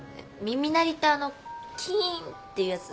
耳鳴りってあのキーンっていうやつ？